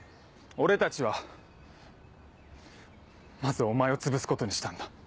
俺たちはまずお前をつぶすことにしたんだ。